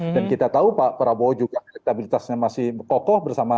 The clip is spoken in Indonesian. dan kita tahu pak torabowo juga kreatabilitasnya masih kokoh